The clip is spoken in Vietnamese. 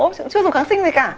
chị cũng chưa dùng kháng sinh gì cả